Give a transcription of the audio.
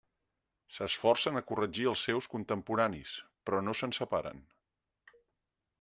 S'esforcen a corregir els seus contemporanis, però no se'n separen.